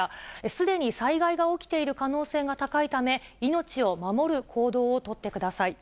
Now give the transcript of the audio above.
すでに災害が起きている可能性が高いため、命を守る行動を取ってください。